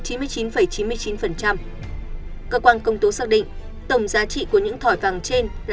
cơ quan công tố xác định tổng giá trị của những thỏi vàng trên là